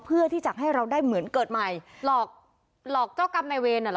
เพื่อที่จะให้เราได้เหมือนเกิดใหม่หลอกหลอกเจ้ากรรมนายเวรอ่ะเหรอ